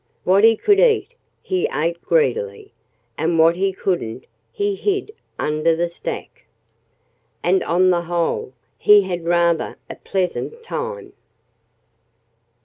What he could eat, he ate greedily. And what he couldn't he hid under the stack. And on the whole, he had rather a pleasant time.